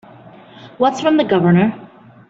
What's from the Governor?